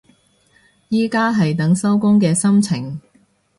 而家係等收工嘅心情